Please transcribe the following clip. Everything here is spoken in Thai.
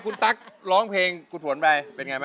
คุณตั๊กร้องเพลงคุณฝนไป